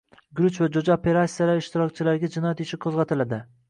Guruch va jo‘ja “operatsiyalari” ishtirokchilariga jinoyat ishi qo‘zg‘atildi